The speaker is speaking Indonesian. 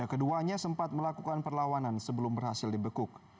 keduanya sempat melakukan perlawanan sebelum berhasil dibekuk